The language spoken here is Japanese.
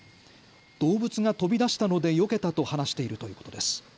動物が飛び出したのでよけたと話しているということです。